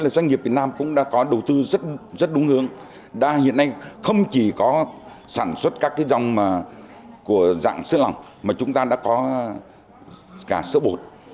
doanh nghiệp việt nam cũng đã có đầu tư rất đúng hướng hiện nay không chỉ có sản xuất các dòng của dạng sữa lỏng mà chúng ta đã có cả sữa bột